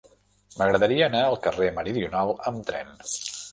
M'agradaria anar al carrer Meridional amb tren.